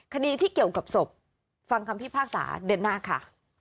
คดีที่เกี่ยวกับศพฟังคำพิพากษาเดินหน้าค่ะ